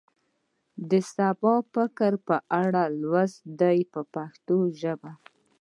د سبا فکر په اړه لوست دی په پښتو ژبه.